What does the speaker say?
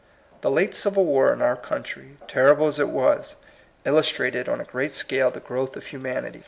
The late Civil War in our country, terrible as it was, illustrated on a great scale the growth of humanity.